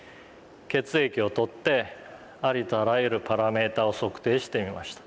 血液を採ってありとあらゆるパラメーターを測定してみました。